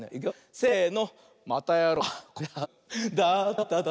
せの！